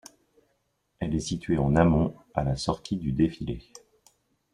Elle est située en amont, à la sortie du défilé.